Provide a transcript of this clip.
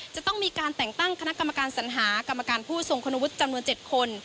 จะต้องมีการแต่งตั้งคณะกรรมการสัญหากรรมการผู้ทรงคุณวุฒิจำนวน๗คน